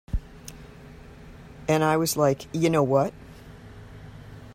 And I was, like, You know what?